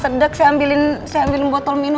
rena bu bu bu